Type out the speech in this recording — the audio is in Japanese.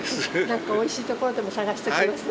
何かおいしいところでも探しておきます。